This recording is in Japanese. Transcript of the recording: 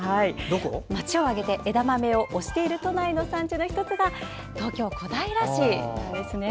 街を挙げて枝豆を推している都内の産地の１つが東京・小平市なんですね。